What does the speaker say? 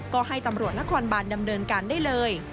ก็ให้ตำรวจนครบานดำเนินการได้เลย